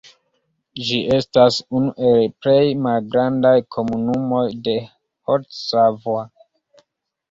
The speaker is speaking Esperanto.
Ĝi estas unu el plej malgrandaj komunumoj de Haute-Savoie.